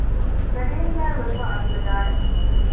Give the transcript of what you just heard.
ގަޑިއެއްހާއިރުވެފައި އަތުވެދާނެ